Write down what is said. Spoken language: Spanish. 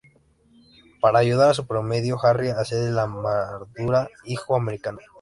Para ayudar a su prometido, Harry accede la armadura Hijo Americano.